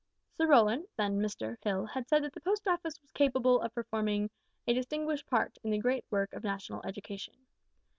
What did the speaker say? "Sir Rowland then Mr Hill had said that the Post Office was `capable of performing a distinguished part in the great work of national education.'